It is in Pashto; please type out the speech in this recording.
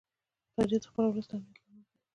تاریخ د خپل ولس د امنیت لامل دی.